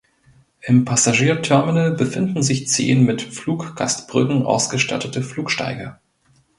Im Passagierterminal befinden sich zehn mit Fluggastbrücken ausgestattete Flugsteige.